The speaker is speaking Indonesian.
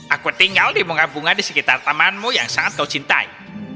aku tinggal di bunga bunga di sekitar tamanmu yang sangat kau cintai